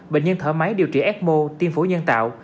bệnh nhân thở máy điều trị ecmo tiên phủ nhân tạo